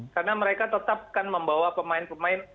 karena mereka tetap kan membawa pemain pemain